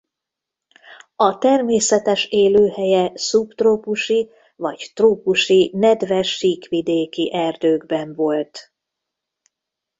A természetes élőhelye szubtrópusi vagy trópusi nedves síkvidéki erdőkben volt.